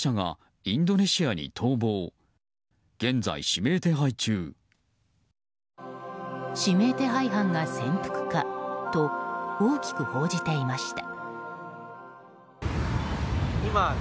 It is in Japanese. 指名手配犯が潜伏かと大きく報じていました。